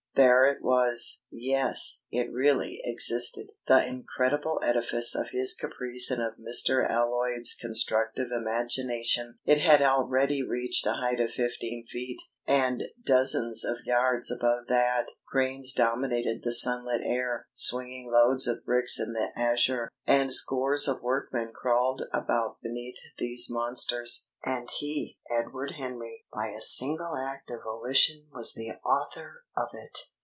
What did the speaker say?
There it was! Yes, it really existed, the incredible edifice of his caprice and of Mr. Alloyd's constructive imagination! It had already reached a height of fifteen feet; and, dozens of yards above that, cranes dominated the sunlit air, swinging loads of bricks in the azure; and scores of workmen crawled about beneath these monsters. And he, Edward Henry, by a single act of volition was the author of it!